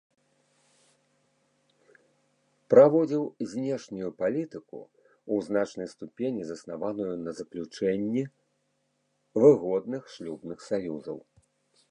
Праводзіў знешнюю палітыку, у значнай ступені заснаваную на заключэнні выгодных шлюбных саюзаў.